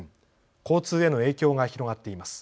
交通への影響が広がっています。